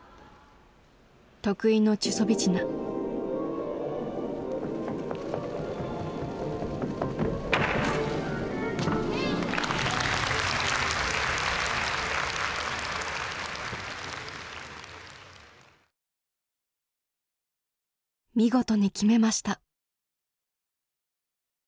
得意の見事に決めました。